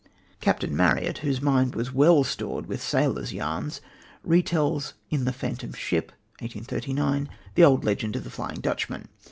Captain Marryat, whose mind was well stored with sailors' yarns, retells in The Phantom Ship (1839) the old legend of the Flying Dutchman.